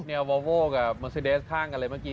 เนี่ยอลโฟโฟกับเมอร์ซีเดสข้างกันเลยเมื่อกี้